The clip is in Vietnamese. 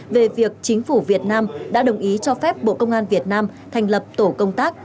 về việc chính phủ việt nam đã đồng ý cho phép bộ công an việt nam thành lập tổ công tác